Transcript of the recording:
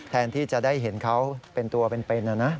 แทนที่จะได้เห็นเขาเป็นตัวเป็นนะนะ